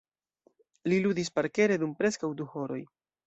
Li ludis parkere dum preskaŭ du horoj.